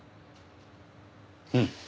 うん。